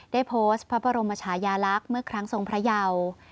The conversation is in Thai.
ได้โพสต์พระบรมชายาลักษณ์เมื่อครั้งทรงพระเยา